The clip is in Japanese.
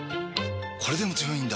これでも強いんだ！